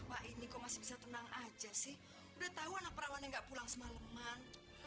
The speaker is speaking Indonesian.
hai pak ini kau masih bisa tenang aja sih udah tahu anak perawan enggak pulang semaleman